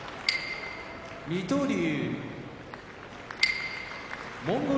水戸龍モンゴル